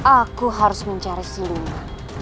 aku harus mencari siliwangi